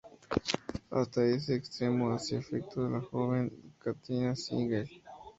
Hasta ese extremo hacía efecto la joven Katharina Siegel.